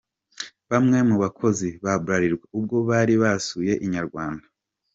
Bamwe mu bakozi ba Bralirwa ubwo bari basuye Inyarwanda Ltd.